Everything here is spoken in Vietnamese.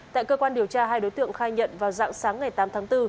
tại cơ quan điều tra hai đối tượng khai nhận vào dạng sáng ngày tám tháng bốn